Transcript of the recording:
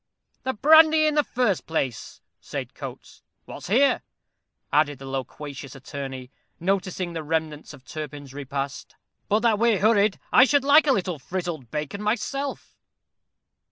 "The brandy in the first place," said Coates. "What's here?" added the loquacious attorney, noticing the remnants of Turpin's repast. "But that we're hurried, I should like a little frizzled bacon myself."